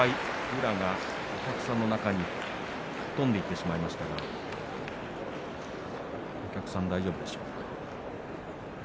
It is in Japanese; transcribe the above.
宇良がお客さんの中に吹っ飛んでいってしまいましたがお客さん、大丈夫でしょうか。